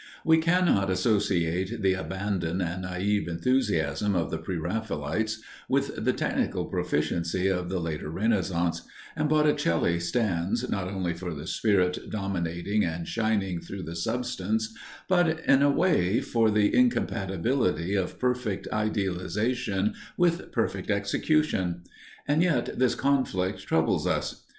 We cannot associate the abandon and naïve enthusiasm of the pre Raphaelites with the technical proficiency of the later Renascence, and Botticelli stands, not only for the spirit dominating and shining through the substance but, in a way, for the incompatibility of perfect idealization with perfect execution. And yet this conflict troubles us.